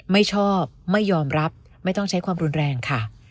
ไม่ชอบไม่ยอมรับไม่ต้องใช้ความรุนแรงค่ะ